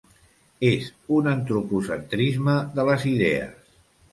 És un antropocentrisme de les idees.